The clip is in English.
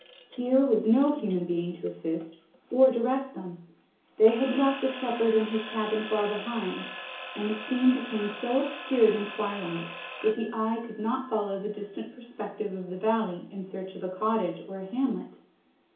Here was no human being to assist, or direct them; they had left the shepherd and his cabin far behind, and the scene became so obscured in twilight, that the eye could not follow the distant perspective of the valley in search of a cottage, or a hamlet.